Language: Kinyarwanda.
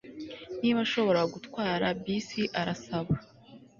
niba ashobora gutwara bisi Arasaba